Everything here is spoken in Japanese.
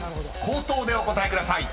［口頭でお答えください］